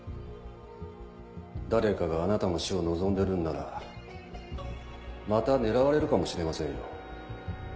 誰かがあなたの死を望んでるんならまた狙われるかもしれませんよ。